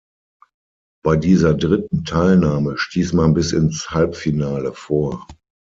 Bei dieser dritten Teilnahme stieß man bis ins Halbfinale vor.